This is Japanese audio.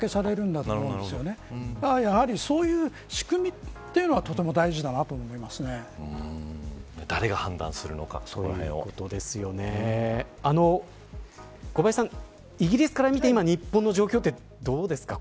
だから、やはりそういう仕組みというのは誰が判断するのか小林さん、イギリスから見て今、日本の状況ってどうですか。